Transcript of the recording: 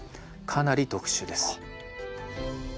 かなり特殊です。